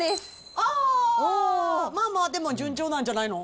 ああ、まあまあ、でも順調なんじゃないの。